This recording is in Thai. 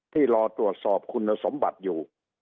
รอตรวจสอบคุณสมบัติอยู่